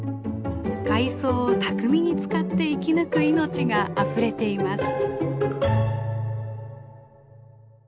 海藻を巧みに使って生き抜く命があふれています。